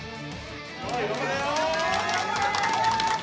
頑張れよ！